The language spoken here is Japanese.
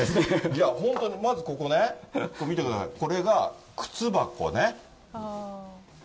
いや本当に、まずここね、見てください、これが靴箱ね。